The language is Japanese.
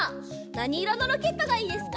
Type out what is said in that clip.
なにいろのロケットがいいですか？